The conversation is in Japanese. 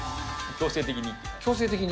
強制的に。